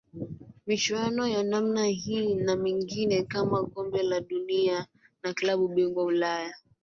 Michuano ya namna hii na mingine kama kombe la dunia na klabu bingwa Ulaya